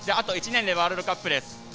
あと１年でワールドカップです。